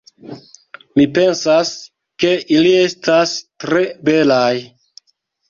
Mi pensas, ke ili estas tre belaj